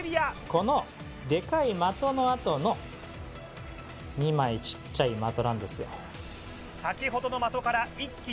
このデカい的のあとの２枚ちっちゃい的なんですよになります